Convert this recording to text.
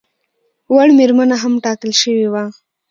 وړ مېرمنه هم ټاکل شوې وه.